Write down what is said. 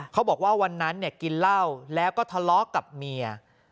เขาบอกว่าวันนั้นกินเหล้าแล้วก็ทะเลาะกับเมีย